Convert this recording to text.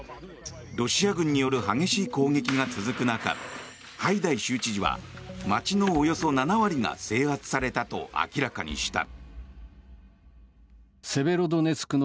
ロシア軍による激しい攻撃が続く中ハイダイ州知事は街のおよそ７割が制圧されたと明らかにした。